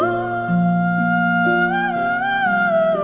อ๋อมันก็แทบจะไม่ได้รับเหมือนเดียว